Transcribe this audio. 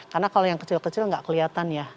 karena kalau yang kecil kecil nggak kelihatan ya